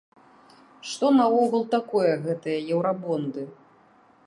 Што наогул такое гэтыя еўрабонды?